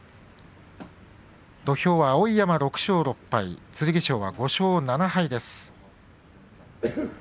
土俵は碧山、６勝６敗剣翔は５勝７敗です。